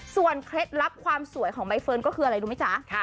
เคล็ดลับความสวยของใบเฟิร์นก็คืออะไรรู้ไหมจ๊ะ